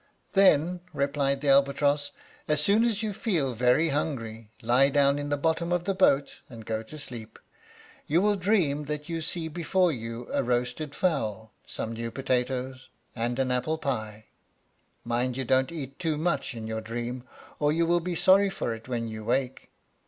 "Then," replied the albatross, "as soon as you feel very hungry, lie down in the bottom of the boat and go to sleep. You will dream that you see before you a roasted fowl, some new potatoes, and an apple pie. Mind you don't eat too much in your dream, or you will be sorry for it when you wake.